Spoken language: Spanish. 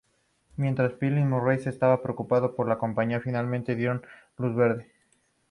Mientras Philip Morris estaba preocupado por la campaña, finalmente dieron luz verde.